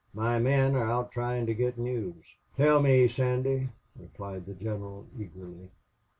My men are out trying to get news. Tell me, Sandy," replied the general, eagerly.